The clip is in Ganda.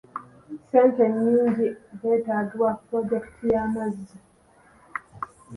Ssente nnyingi zeetaagibwa ku pulojekiti y'amazzi.